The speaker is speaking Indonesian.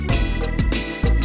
terima kasih bang